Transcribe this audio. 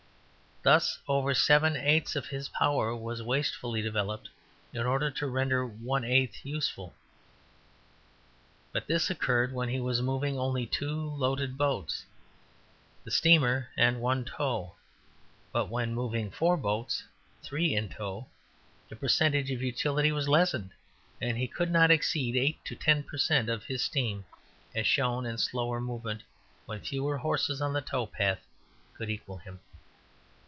Thus over seven eighths of his power was wastefully developed in order to render one eighth useful. But this occurred when he was moving only two loaded boats the steamer and one in tow but when moving four boats three in tow the percentage of utility was lessened, and he could not exceed eight to ten per cent. of his steam, as shown in slower movement, when fewer horses on the tow path could equal him.